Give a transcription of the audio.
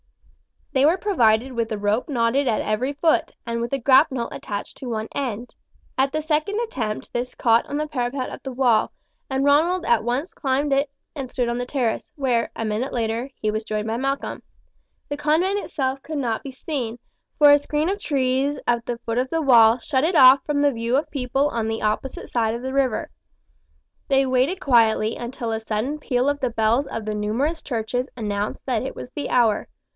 They were provided with a rope knotted at every foot, and with a grapnel attached to one end. At the second attempt this caught on the parapet of the wall, and Ronald at once climbed it and stood on the terrace, where, a minute later, he was joined by Malcolm. The convent itself could not be seen, for a screen of trees at the foot of the wall shut it off from the view of people on the opposite bank of the river. They waited quietly until a sudden peal of the bells of the numerous churches announced that it was the hour.